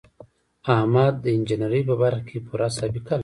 احمد د انجینرۍ په برخه کې پوره سابقه لري.